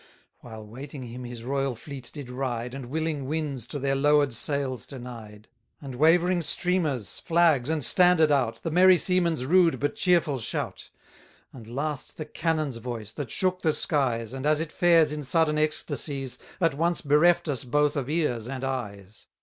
While waiting him his royal fleet did ride, And willing winds to their lower'd sails denied. The wavering streamers, flags, and standard out, The merry seamen's rude but cheerful shout: And last the cannon's voice, that shook the skies, And as it fares in sudden ecstasies, At once bereft us both of ears and eyes.